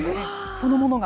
そのものが。